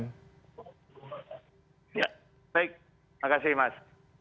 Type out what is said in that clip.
ya baik makasih mas